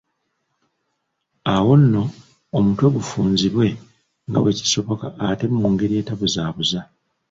Awo nno, omutwe gufunzibwe nga bwe kisoboka ate mu ngeri atebuzaabuza.